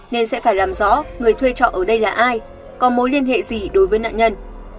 nên sẽ phải làm rõ người thuê trọ ở đây là ai có mối liên hệ gì đối với nạn nhân